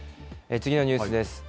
次のニュースです。